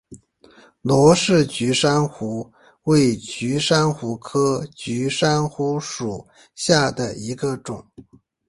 罗氏菊珊瑚为菊珊瑚科菊珊瑚属下的一个种。